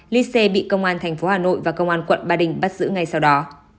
lee se bị công an tp hà nội và công an quận ba đình bắt giữ ngay sau đó